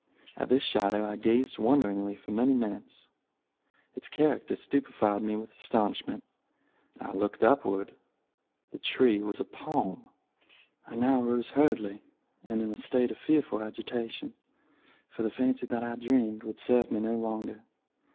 At this shadow I gazed wonderingly for many minutes. Its character stupefied me with astonishment. I looked upward. The tree was a palm. "I now arose hurriedly, and in a state of fearful agitation—for the fancy that I dreamed would serve me no longer.